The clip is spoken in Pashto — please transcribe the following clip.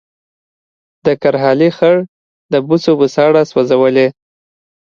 د کرهالې خړ د بوسو بوساړه سوځولې